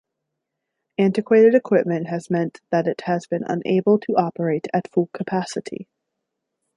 Antiquated equipment has meant that it has been unable to operate at full capacity.